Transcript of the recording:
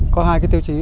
có hai cái tiêu chí